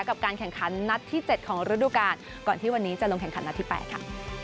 กับการแข่งขันนัดที่๗ของฤดูกาลก่อนที่วันนี้จะลงแข่งขันนัดที่๘ค่ะ